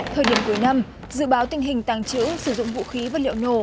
thời điểm cuối năm dự báo tình hình tàng trữ sử dụng vũ khí vật liệu nổ